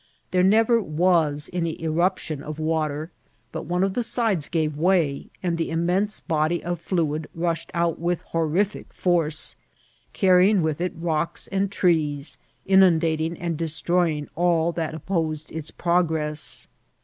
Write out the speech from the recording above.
There ncT^r was any eruption of wa« ter, but one of the sides gave way, and the immense body of fluid rushed out with honi&o force, carrying with it rocks and trees, inundating and destroying all that op posed its progress.